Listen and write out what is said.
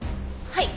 はい。